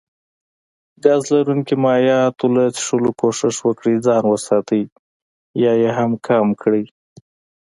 ګاز لرونکو مايعاتو له څښلو کوښښ وکړي ځان وساتي يا يي هم کم کړي